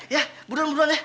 ya buruan ya